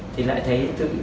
thì lại thấy